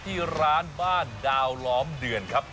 ที่ร้านบ้านดาวล้อมเดือนครับ